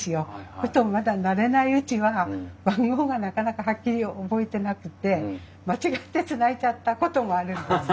そうするとまだ慣れないうちは番号がなかなかはっきり覚えてなくて間違ってつないじゃったこともあるんです。